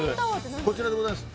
こちらでございます